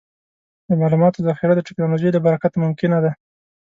د معلوماتو ذخیره د ټکنالوجۍ له برکته ممکنه ده.